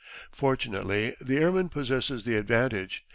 Fortunately the airman possesses the advantage.